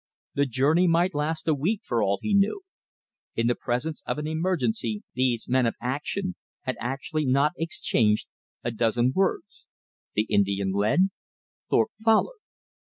The journey might last a week, for all he knew. In the presence of an emergency these men of action had actually not exchanged a dozen words. The Indian led; Thorpe followed.